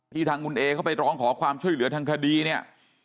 ทางคุณเอเขาไปร้องขอความช่วยเหลือทางคดีเนี่ย